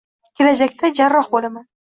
Kelajakda jarroh bo‘laman